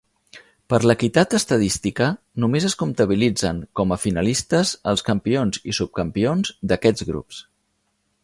Per l'equitat estadística, només es comptabilitzen com a finalistes els campions i subcampions d'aquests grups.